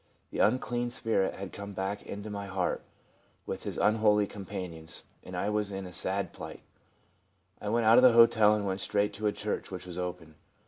The unclean spirit had come back into my heart with his unholy companions, and I was in a sad plight. I went out of the hotel and went straight to a church which was open.